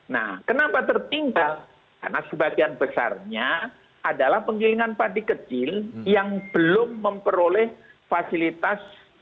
nah kenapa tertinggal karena sebagian besarnya adalah penggilingan padi kecil yang belum memperoleh fasilitas